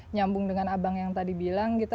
nyambung dengan abang yang tadi bilang gitu